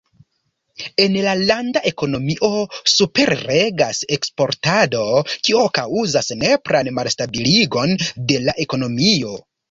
En la landa ekonomio superregas eksportado, kio kaŭzas nepran malstabiligon de la ekonomio.